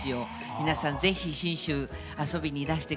皆さん是非信州遊びにいらして下さい。